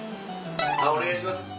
お願いします。